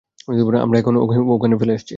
আমরা ওকে ওখানে ফেলে এসেছি।